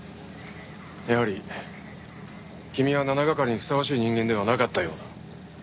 やはり君は７係にふさわしい人間ではなかったようだ。